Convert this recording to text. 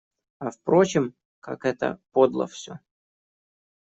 А впрочем, как это подло всё.